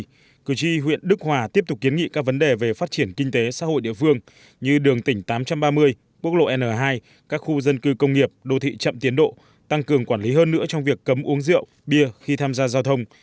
trước đó cử tri huyện đức hòa tiếp tục kiến nghị các vấn đề về phát triển kinh tế xã hội địa phương như đường tỉnh tám trăm ba mươi quốc lộ n hai các khu dân cư công nghiệp đô thị chậm tiến độ tăng cường quản lý hơn nữa trong việc cấm uống rượu bia khi tham gia giao thông